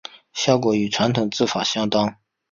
效果与传统制法相当。